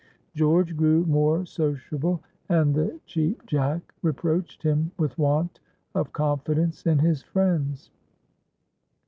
George grew more sociable, and the Cheap Jack reproached him with want of confidence in his friends.